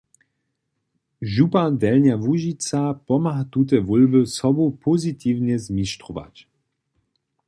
Župa Delnja Łužica pomha tute wólby sobu pozitiwnje zmištrować.